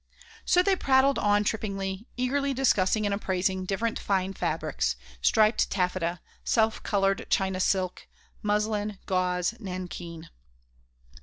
So they prattled on trippingly, eagerly discussing and appraising different fine fabrics striped taffeta, self coloured china silk, muslin, gauze, nankeen.